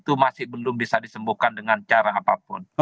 itu masih belum bisa disembuhkan dengan cara apapun